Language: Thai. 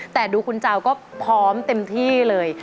แต่ดูคุณเจ้าก็พร้อมเต็มที่เลย